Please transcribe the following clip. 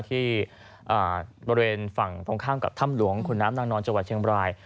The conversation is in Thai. ที่บริเวณฝั่งตรงข้ามกับถ้ำหลวงขุนน้ำนางนอนจังหวัดเชียงบราย